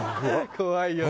怖いよね。